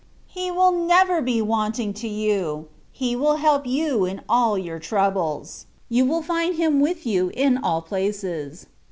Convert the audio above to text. He will never be wanting to you. He will help you in all your troubles : you will find Him with you in all places.